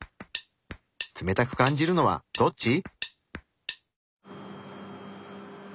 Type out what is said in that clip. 冷たく感じるのはどっち？